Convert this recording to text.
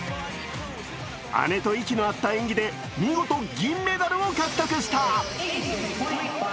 姉と息の合った演技で、見事、銀メダルを獲得した。